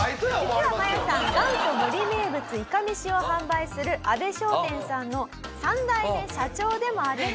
実はマヤさん元祖森名物いかめしを販売する阿部商店さんの３代目社長でもあるんです。